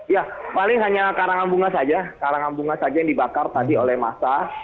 ya paling hanya karangan bunga saja karangan bunga saja yang dibakar tadi oleh massa